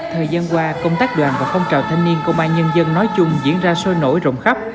thời gian qua công tác đoàn và phong trào thanh niên công an nhân dân nói chung diễn ra sôi nổi rộng khắp